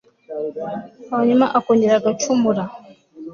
hanyuma akongera agacumura